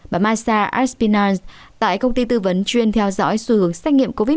bà marcia espinaz tại công ty tư vấn chuyên theo dõi xu hướng xét nghiệm covid một mươi chín